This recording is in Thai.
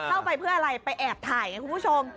เข้าไปเพื่ออะไรไปแอบถ่ายไงคุณผู้ชม